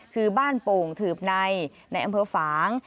คือบ้านโป่งถือบไนห์ในอำเพิร์ตฟางส์